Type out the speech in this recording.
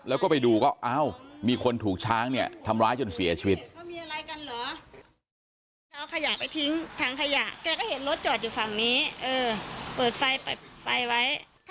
แล้วก็ไปดูก็อ้าวมีคนถูกช้างเนี่ยทำร้ายจนเสียชีวิต